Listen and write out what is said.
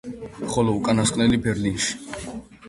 ხოლო უკანასკნელი ბერლინში.